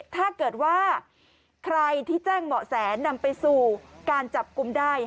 ถ้าเกิดว่าใครที่แจ้งเหมาะแสนำไปสู่การจับกลุ่มได้